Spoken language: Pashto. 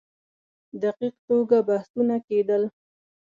دقیق توګه بحثونه کېدل.